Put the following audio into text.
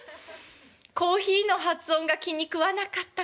コーヒーの発音が気に食わなかったか。